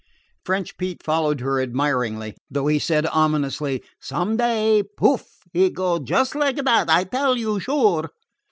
French Pete followed her admiringly, though he said ominously: "Some day, pouf! he go just like dat, I tell you, sure."